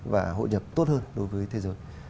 và hội nhập tốt hơn đối với thế giới